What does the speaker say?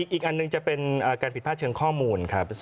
อีกอันหนึ่งจะเป็นการผิดพลาดเชิงข้อมูลครับ